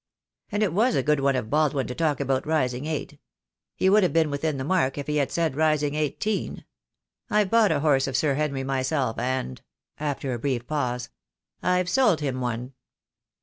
"And it was a good one of Baldwin to talk about rising eight. He would have been within the mark if he had said rising eighteen. I've bought a horse of Sir Henry myself, and," — after a brief pause — "I've sold him one."